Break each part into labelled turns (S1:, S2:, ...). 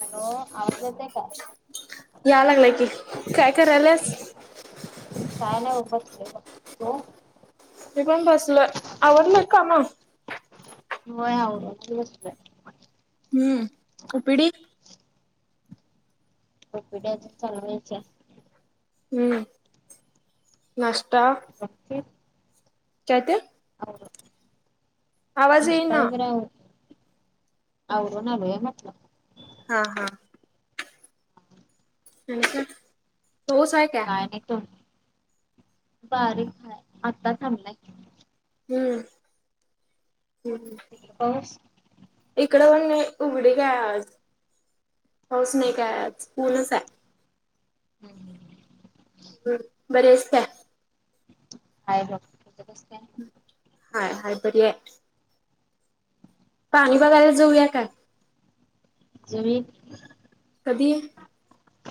S1: Hello, आवाज येतंय का?
S2: याय लागलाय की, काय कायराल्यास?
S1: काय नाही उगच बसलोय बघ.
S2: मी पण बसलोय आवरलं कामं?
S1: होय आवरतच बसलोय.
S2: हम्म, उपिडी
S1: [unintelligible] चालवण्याच्या.
S2: हम्म नाष्टा
S1: ओके.
S2: [inaudible] आवाज
S1: नष्ट
S2: येईना
S1: वगैरे आवर आवरून आलोय म्हटलं.
S2: हां हां. आणि काय, पाऊस हाय काय?
S1: [unintelligible] बारीक हाय आता थांबलाय
S2: हम्म हम्म हम्म.
S1: तिकडं पाऊस.
S2: इकडंपण नाही उघडीक हाय आज, पाऊस नाही काय आज, ऊनच हाय.
S1: [inaudible]
S2: बरी आहेस काय.
S1: हाय बघ, तुझं कसं काय.
S2: हाय हाय बरी आहे. पाणी बघायला जाऊया काय.
S1: जमीन.
S2: कधी,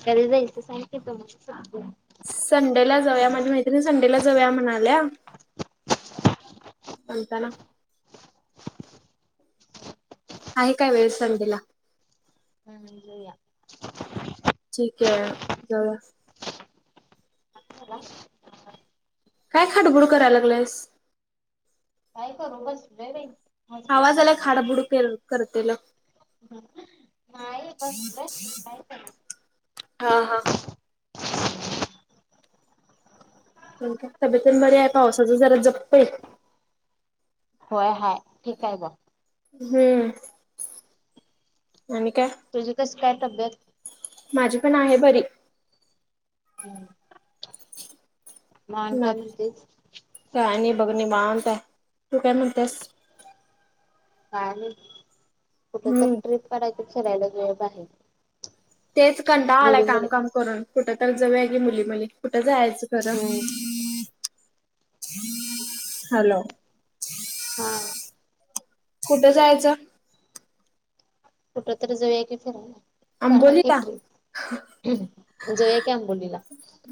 S1: कधी जायचं सांग, की मग सांगतो.
S2: संडे ला जाऊया, माझी मैत्री ती संडेला जाऊया म्हणाल्या [unintelligible] आहे काय वेळ संडेला?
S1: [unintelligible]
S2: ठीक आहे. [unintelligible]
S1: [unintelligible]
S2: काय खाटबुळ कराय लागलंयस.
S1: काय करू बसलोय बाई.
S2: आवाज आला
S1: हॉस्पिटलमध्ये.
S2: खाडबुड करतेल.
S1: [unintelligible] बसलोय. काय करू?
S2: हा. हा. तब्येत तेन बरी आहे, पावसाच जरा जप बाई.
S1: होय हाय, ठीक आहे बघ.
S2: हम्म.. आणि काय.
S1: तुझी कसं, काय तब्येत.
S2: माझी पण आहे बरी.
S1: [inaudible] आणि
S2: ना
S1: काय म्हणतेस?
S2: काय नाही बघ निवांत आहे तू काय म्हणत्यास.
S1: आणि कुठे तर
S2: हम्म
S1: ट्रिप काढायचं फिरायला [unintelligible] जायचं.
S2: तेच कंटाळ आलाय काम काम करून कुठं तर जऊया की मुली मुली कुठं जायचं खरं?
S1: हम्म
S2: हॅलो,
S1: हा
S2: कुठं जायचं.
S1: कुठं तरी जाऊया की, फिरायला काढा की
S2: आंबोलीला
S1: ट्रीप. जावूया की आंबोलीला,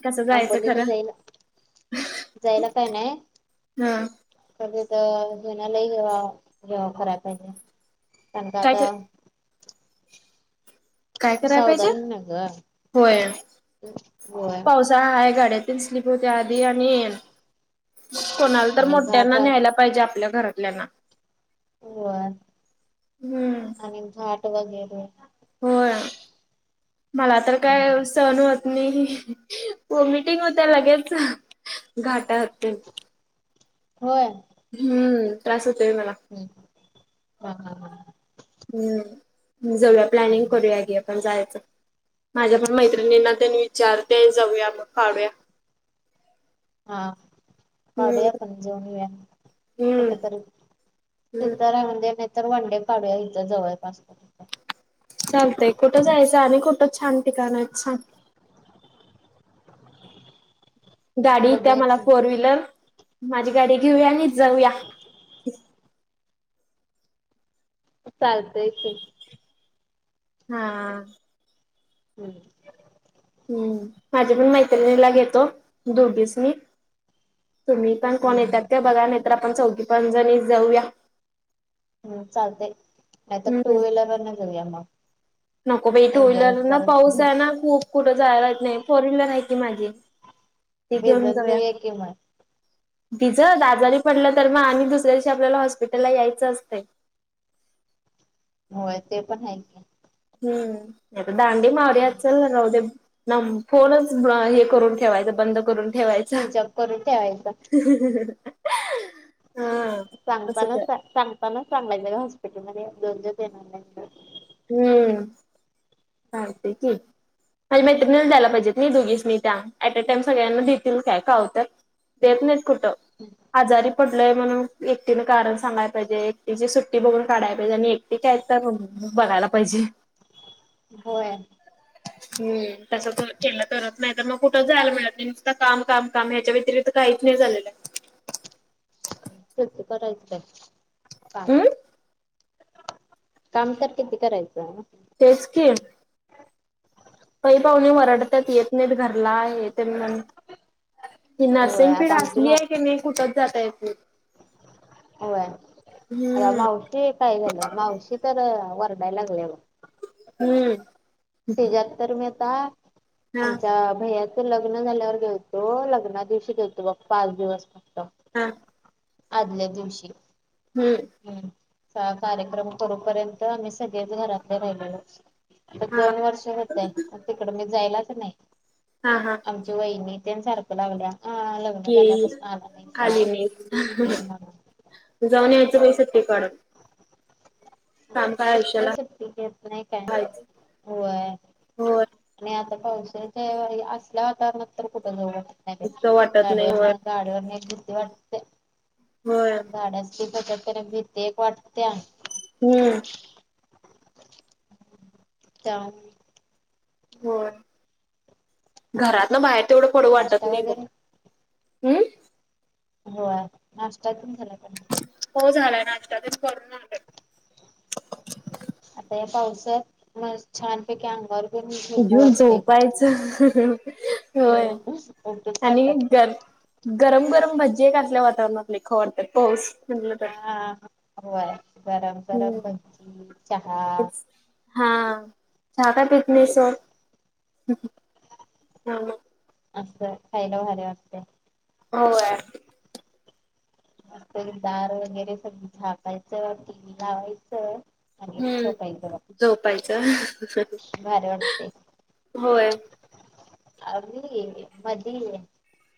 S2: कसं जायचं
S1: आंबोलीला
S2: खरं
S1: जाईला. जायला काय नाही.
S2: हा.
S1: तिथं [unintelligible]
S2: काय
S1: खराब
S2: काय कराय पाहिजे,
S1: सावधानी ना ग.
S2: होय
S1: होय
S2: पावसाळा हाय गाड्यात. स्लीप होते आधी आणि कोणाला तर
S1: आणि घाट
S2: मोठ्यांना न्यायला पा पाहिजे आपल्या घरातल्यांना.
S1: होय,
S2: हम्म.
S1: आणि घाट वगैरे.
S2: होय, मला तर काय असं. सहन होत नाही वोमिटिंग होत लगेच घाटात
S1: होय.
S2: हम्म. त्रास होतोय मला.
S1: हम्म. हा हा हा.
S2: हम्म. जाऊया प्लॅनिंग करूया घे, आपण जायचं. माझ्या पण मैत्रिणींना तेन विचारते जाऊया मग काढू या.
S1: हा..
S2: हम्म.
S1: काढूया आपण जाऊन येऊया,
S2: हम्म
S1: कुठं तरी
S2: हम्म.
S1: तिथं राहू दे ना तर वनडे काढू या, इथं जवळपास कुठं.
S2: चालतंय कुठं जायचं आणि, कुठं छान ठिकाण आहेत सांग. गाडी इत्या
S1: बघूया
S2: मला
S1: की
S2: फोर व्हीलर, माझी गाडी घेऊया आणि जाऊया.
S1: चालतंय की.
S2: हा..
S1: हम्म.
S2: हम्म. माझ्या पण मैत्रिणीला घेतो, दोघिसनी तुम्ही. कोण येतात
S1: हम्म
S2: ते बघा नाही तर, आपण चौथी पाजणी जाऊया.
S1: हम्. चालतंय नाही तर,
S2: हम्म
S1: टू व्हीलर वरून जाऊ या मग.
S2: नको बाई टू
S1: एन्जॉय
S2: व्हीलर न
S1: करत
S2: पाऊस
S1: भिज
S2: आहे ना, खूप कुठं जायला येत नाही फोर व्हीलर आहे की माझी. ते घेऊन
S1: भिजत
S2: जाऊया.
S1: की मग
S2: तिचं आजारी पडलं तर मग आणि, दुसऱ्या दिवशी आपल्याला हॉस्पिटलला यायचं असतंय.
S1: होय ते, पण आहे की.
S2: हम्म. नाही तर, दांडी मारूया चल राहू दे. ना फोनच हे, करून ठेवायच बंद करून. ठेवायचा.
S1: स्विच ऑफ करून ठेवायचा
S2: हा असं काय
S1: सांगतानाच सांगत सांगायचं, हॉस्पिटल मध्ये दोन ते दिवस येणार नाही म्हणून.
S2: हम्म. चालते की, माझ्या मैत्रिणीला द्यायला पाहिजेत नी, दोघींसनी मी त्या, ऍट अ टाइम सगळ्यांना देतील काय कावत्यात. देत नाही कुठं.
S1: [inaudible]
S2: आजारी पडलोय म्हणून एकटीने कारण सांगाय पाहिजे, एकटीची सुट्टी बघून काढाय पाहिजे आणि एक. ठीक ये, तर बघायला पाहिजे.
S1: होय.
S2: [inaudible] हम तसं केलं तरत नाही तर, मग कुठच जायला मिळत नाही. नुसता काम काम काम हेच्या व्यतिरिक्त. काहीचं नाही झालेलं. आहे.
S1: किती करायचं गं काम.
S2: हम्म
S1: काम तर, किती करायचं.
S2: तेच की,
S1: [inaudible]
S2: पै-पाहुणे वरडत्यात येत नाहीत, घरला हे तेन म्हणून. की
S1: होय
S2: नर्सिंग फीड
S1: आता आमची
S2: असली
S1: मा
S2: आहे कणी, कुठचं जाता येत नाही.
S1: होय, आव्वा
S2: हम्म.
S1: मावशी काय झालं मावशी. तर वरडायला लागलेल.
S2: हम्म.
S1: तेच्यात तर मी आता,
S2: हा
S1: आमच्या भैयात. तर लग्नं झाल्यावर गेलतो, लग्ना दिवशी गेलतो बघ पाच दिवस फक्त.
S2: हा
S1: आदल्या दिवशी.
S2: हम्म.
S1: हम्. कार्यक्रम करू पर्यंत आम्ही सगळेच घरातले राहिलेलो. आता
S2: हा.
S1: दोन वर्ष होतंय, तिकड मी जायलाच नाही.
S2: हा हा..
S1: आमची वहिणीने तेन सारखं लागल्या. अं.. लग्नं झाल्या
S2: येईल
S1: पासन आला, नाही सा
S2: आली मी
S1: तेन म्हणून.
S2: जाऊन यायचं बाई सुट्टी काढून. आयुष्याला
S1: कुठलं सुट्टी घेत नाही, काय नाय.
S2: हायच
S1: व्हयं...
S2: होय
S1: आणि आता पावसाच्या असल्या, वातावरणात तर कुठं जाऊ वाटत नाही
S2: इतकं वाटत नाही होय
S1: गाडीवरन. गाडीवरनं एक भीती वाटते.
S2: होय.
S1: पाण्याच्या तिथं जात्यात तेन भिती एक वाटत्या.
S2: हम्म.
S1: त्यामुळं
S2: होय. घरातनं बाहेर तेवढं पडू वाटत
S1: नाश्ता
S2: नाही बघ.
S1: वगैरे
S2: अं?
S1: होय. नाश्ता तेन झाला का नाही?
S2: हो झालाय, नाश्ता तेन करून आलोय.
S1: आता या पावसात मस्त छानपैकी अंगावर घेऊन झोपू
S2: घेऊन
S1: वाटतंय. [unintelligible]
S2: झोपायचं होय
S1: उठूच
S2: आणि
S1: वाटत नाही.
S2: घर गरम गरम भजी एक असल्या वातावरणात लई खाऊ वाटत्यात. पाऊस म्हटलं तर
S1: हा होय. गरम गरम
S2: हम्म
S1: भज्जी, चहा
S2: तेच हा चहा काय पित नाही सोड.
S1: असं खायला भारी वाटतंय.
S2: होय.
S1: मस्तपैकी दार वगैरे सगळं झाकायचं, टी व्ही लावायचं आणि
S2: हम्म,
S1: झोपायचं बघ
S2: झोपायचं होय.
S1: आधी मधी,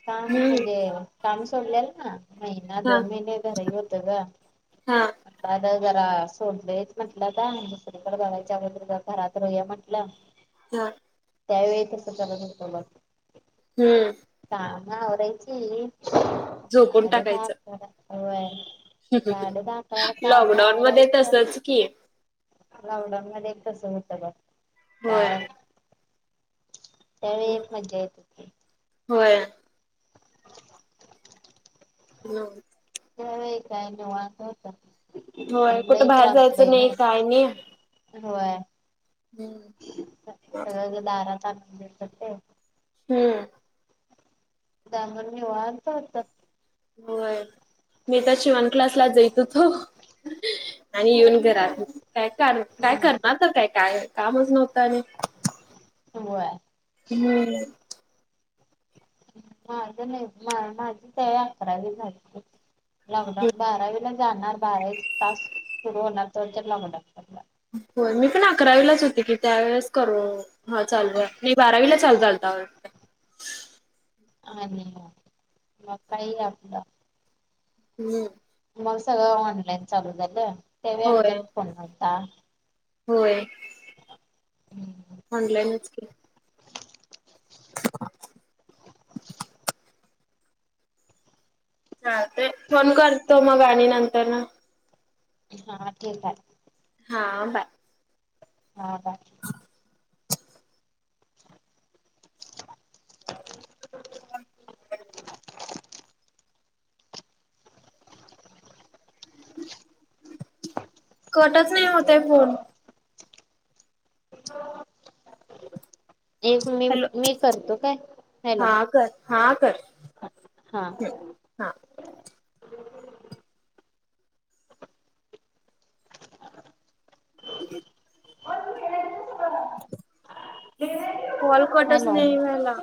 S1: काम
S2: हम्म
S1: म्हणजे. काम सोडलेल ना, महिना
S2: हा
S1: दोन महिने घरी होतो गं.
S2: हा
S1: [unintelligible] जरा सोडलंयच म्हटलं आता, मग दुसरीकडं बघायच्या आधी मग जरा घरात राहूया म्हटलं‌.
S2: [unintelligible]
S1: त्यावेळी तसं करत होतो मग.
S2: हम्म.
S1: काम आवरायची.
S2: झोपून
S1: साडे दहा
S2: टाकायचं
S1: अकरा, होय. साडे दहा, अकराला काम
S2: लॉकडाऊन मध्ये
S1: आवरायचं
S2: तसच की
S1: लॉकडाऊनमध्ये एक तसं होतं बघ.
S2: होय
S1: काय त्यावेळी एक मजा येत होती.
S2: होय. हॅलो.
S1: त्या वेळी काय निवांत होतं
S2: होय
S1: आणि
S2: कुठे
S1: लई
S2: बाहेर
S1: त्रास
S2: जायचं नाही काय नाही
S1: [unintelligible] होय.
S2: हम्म, बर.
S1: सगळं दारात आणून देतात ते.
S2: हम्म.
S1: [unintelligible] निवांत होतात.
S2: होय. मी तर शिवण क्लासला जायत होतो. आणि येऊन घरात काय कर काय करणार तर काय काय कामच नव्हतं आणि.
S1: होय.
S2: हम्म.
S1: माझ नाही, मा-माझी काय अकरावी झाली. लॉकडाऊन बारावीला जाणार, बारावीच तास सुरू होणार [unintelligible] लॉकडाऊन पडलाय.
S2: होय. मी पण अकरावीलाच होते की, त्यावेेळेस करो हा चालू आहे. मी बारावीला चाल [unintelligible]
S1: आणि मग काही आपलं
S2: हम्म.
S1: मग सगळं ऑनलाईन चालू झालं. त्यावेळी आमच्यात
S2: होय
S1: फोन नव्हता.
S2: होय.
S1: हम्म हम्म.
S2: ऑनलाईनच की. हा ते फोन करतो मग आणि नंतर ना.
S1: हा ठीक आहे.
S2: हा बाय.
S1: हा बाय. [inaudible]
S2: [inaudible] कटच नाही होतय फोन.
S1: एक मी
S2: हॅलो
S1: मी करतो काय हॅलो.
S2: हा कर हा कर.
S1: हा.
S2: हम्म हा. [inaudible] कॉल कटच
S1: हॅलो
S2: नाही झाला.